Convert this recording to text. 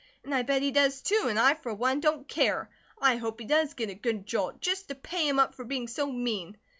And I bet he does, too, and I, for one, don't care. I hope he does get a good jolt, just to pay him up for being so mean."